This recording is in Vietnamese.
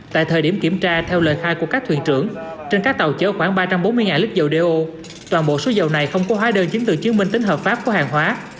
tại thời điểm kiểm tra theo lời khai của các thuyền trưởng trên các tàu chở khoảng ba trăm bốn mươi lít dầu đeo toàn bộ số dầu này không có hóa đơn chứng từ chứng minh tính hợp pháp của hàng hóa